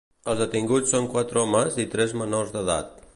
Els detinguts són quatre homes i tres menors d'edat.